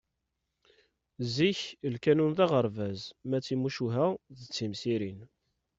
Zik, lkanun d aɣerbaz ma d timucuha d timsirin.